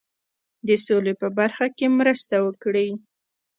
د سولي په برخه کې مرسته وکړي.